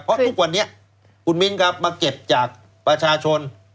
เพราะทุกวันนี้คุณมิ้นครับมาเก็บจากประชาชน